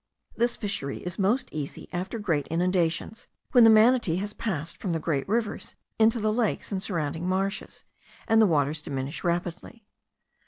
This fishery is most easy after great inundations, when the manatee has passed from the great rivers into the lakes and surrounding marshes, and the waters diminish rapidly.